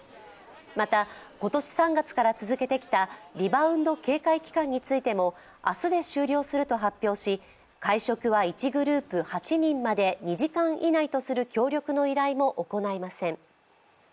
また今年３月から続けてきたリバウンド警戒期間についても明日で終了すると発表し会食は１グループ８人までとする協力の依頼も行いません。